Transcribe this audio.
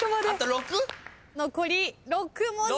残り６文字。